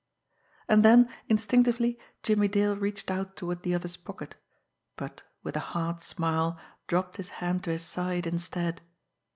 And then, instinctively, Jimmie Dale reached out toward the other's pocket; but, with a hard smile, dropped his hand to his side, instead.